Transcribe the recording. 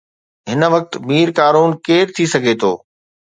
هن وقت مير ڪارون ڪير ٿي سگهي ٿو؟